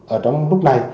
ở trong lúc này